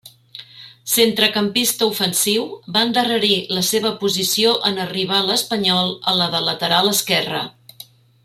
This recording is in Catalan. Centrecampista ofensiu, va endarrerir la seva posició en arribar l'Espanyol a la de lateral esquerre.